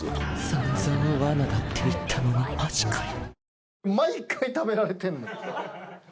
散々罠だって言ったのにマジかよ。